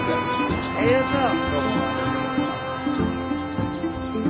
ありがとう。